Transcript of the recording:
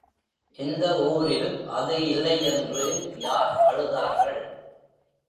இந்த ஊரில் அது இல்லையென்று யார் அழுதார்கள்?